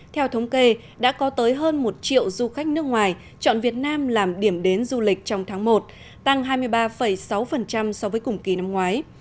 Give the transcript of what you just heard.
theo thống kê đã có tới hơn một triệu du khách nước ngoài chọn việt nam làm điểm đến du lịch trong tháng một tăng hai mươi ba sáu so với cùng kỳ năm ngoái